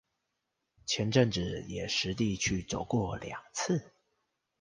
前陣子也實地去走過兩次